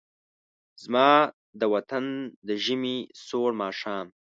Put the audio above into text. زما د وطن د ژمې سوړ ماښام